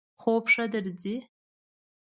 خوب ښه درځی؟